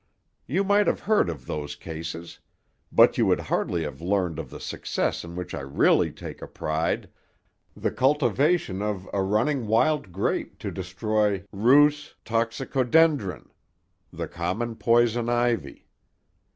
You might have heard of those cases; but you would hardly have learned of the success in which I really take a pride, the cultivation of a running wild grape to destroy Rhus Toxicodendron, the common poison ivy.